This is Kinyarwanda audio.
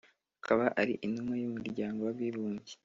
akaba ari intumwa yumuryango wabibumbye